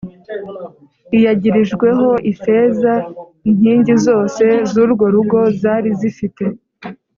Iyagirijweho ifeza inkingi zose z urwo rugo zari zifite